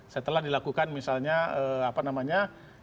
setelah dilakukan misalnya apa namanya